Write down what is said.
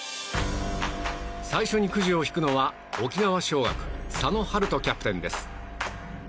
最初にくじを引くのは沖縄尚学佐野春斗キャプテンです。